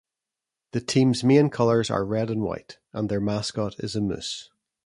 The team's main colors are red and white, and their mascot is a moose.